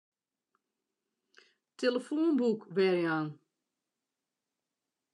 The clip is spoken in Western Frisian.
Tillefoanboek werjaan.